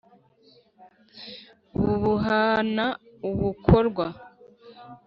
Bububana ubukorwa,